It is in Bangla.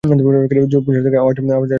ঝোপঝাড় থেকে আওয়াজ আসলে ঘুরে দেখে না!